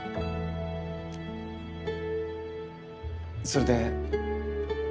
それで。